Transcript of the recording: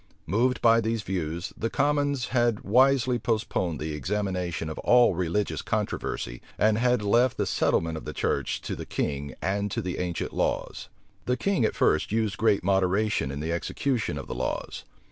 Moved by these views, the commons had wisely postponed the examination of all religious controversy, and had left the settlement of the church to the king and to the ancient laws. The king at first used great moderation in the execution of the laws.